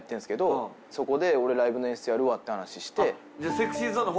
そこで俺ライブの演出やるわって話して。